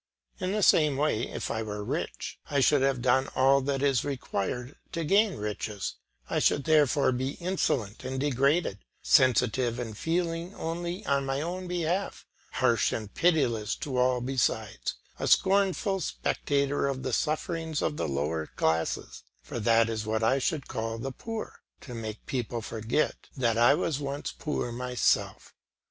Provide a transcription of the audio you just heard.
In the same way, if I were rich, I should have done all that is required to gain riches; I should therefore be insolent and degraded, sensitive and feeling only on my own behalf, harsh and pitiless to all besides, a scornful spectator of the sufferings of the lower classes; for that is what I should call the poor, to make people forget that I was once poor myself.